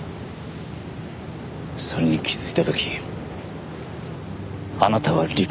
それに気づいた時あなたは理解した。